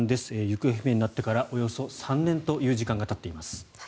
行方不明になってからおよそ３年という時間がたっています。